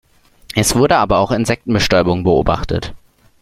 Es wurde aber auch Insektenbestäubung beobachtet.